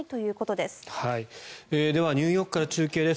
ではニューヨークから中継です。